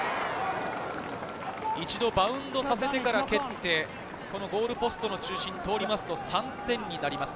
一度バウンドさせてから蹴って、ゴールポストの中心を通りますと３点になります。